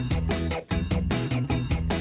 สวัสดีค่ะ